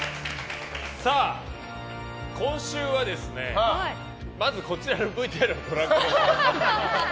今週は、まずこちらのＶＴＲご覧ください。